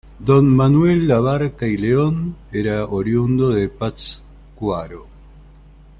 Don Manuel Abarca y León era oriundo de Pátzcuaro.